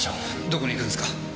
どこに行くんですか？